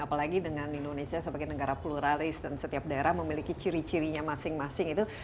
apalagi dengan indonesia sebagai negara pluralis dan setiap daerah memiliki ciri cirinya masing masing itu